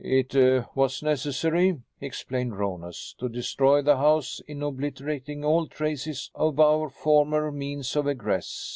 "It was necessary," explained Rhonus, "to destroy the house in obliterating all traces of our former means of egress.